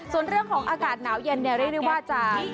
ส่วนเรื่องของอากาศหนาวเย็นได้เรียกว่าจะ